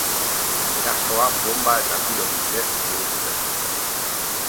Erasoa bonba eta tiroen bidez burutu zen.